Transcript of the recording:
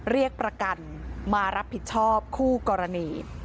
เรียกประกันมารับผิดชอบคู่กรณี